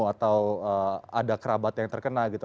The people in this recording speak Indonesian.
atau ada kerabat yang terkena gitu